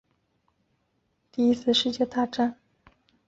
但工程由于第一次世界大战而被延误。